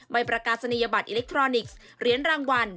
ประกาศนียบัตรอิเล็กทรอนิกส์เหรียญรางวัล